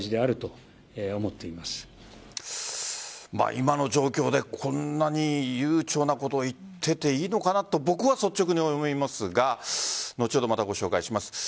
今の状況でこんなに悠長なこと言ってていいのかなと僕は率直に思いますが後ほどまたご紹介します。